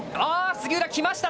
杉浦、きました。